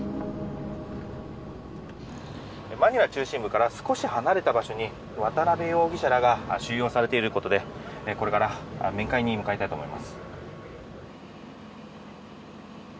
マニラ中心部から少し離れた場所に渡邉容疑者らが収容されているということでこれから面会に向かいたいと思います。